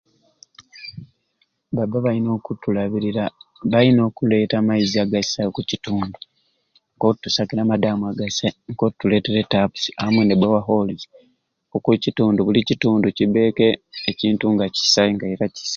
Baba balina okutulabirira balina okuleeta amaizi agasai okukitundu k'okutusakira ama daamu agasai k'okutuleetera e ttapusi amwe ne bowaholozi okukitundu buli kitundu kibbeku ekintu nga kisai era nga kisai.